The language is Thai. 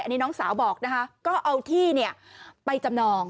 อันนี้น้องสาวบอกนะคะก็เอาที่เนี่ยไปจำนอง